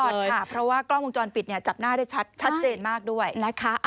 ไม่รอดค่ะเพราะว่ากล้องวงจรปิดจับหน้าได้ชัดเจนมากด้วยนะคะ